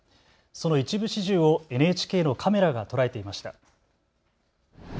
その一部始終をＮＨＫのカメラが捉えていました。